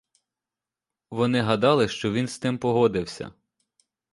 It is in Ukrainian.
Вони гадали, що він з тим погодився.